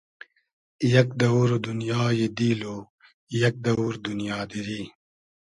یئگ دئوور دونیای دیل و یئگ دئوور دونیا دیری